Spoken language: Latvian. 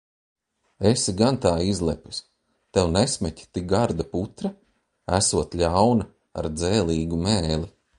Esi gan tā izlepis. Tev nesmeķ tik garda putra? Esot ļauna, ar dzēlīgu mēli.